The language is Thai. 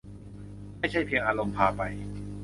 ไม่ใช่เพียงอารมณ์พาไป